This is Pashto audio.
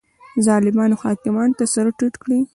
ظالمو حاکمانو ته سر ټیټ کړي